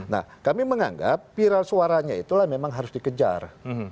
nah kami menganggap viral suaranya itulah memang harus dikejar